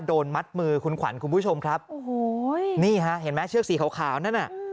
โดนมัดมือคุณขวัญคุณผู้ชมครับโอ้โหนี่ฮะเห็นไหมเชือกสีขาวขาวนั่นน่ะ